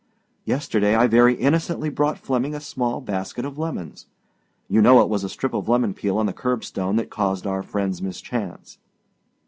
Yesterday I very innocently brought Flemming a small basket of lemons. You know it was a strip of lemon peel on the curbstone that caused our friendâs mischance.